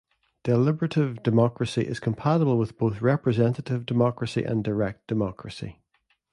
Deliberative democracy is compatible with both representative democracy and direct democracy.